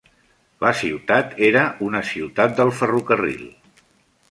La ciutat era una ciutat del ferrocarril.